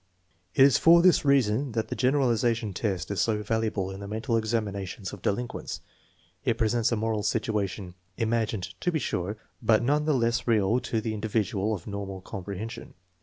It is for this reason that the generalization test is so valuable in the mental examinations of delinquents. It presents a moral situation, imagined, to be sure, but none the less real to the individual of normal comprehension.